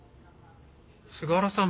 菅原さん